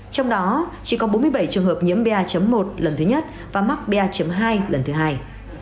trong đó chỉ có bốn mươi bảy trường hợp nhiễm ba một lần thứ nhất và mắc ba hai lần thứ hai